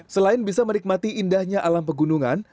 selain bisa menikmati indahnya alam pegunungan